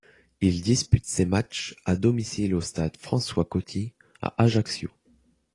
Il dispute ses matches à domicile au Stade François-Coty, à Ajaccio.